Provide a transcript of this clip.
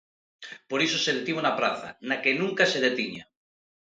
Por iso se detivo na praza, na que nunca se detiña.